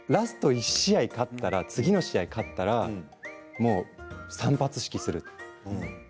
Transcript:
１試合勝ったら次の試合勝ったら散髪式をする。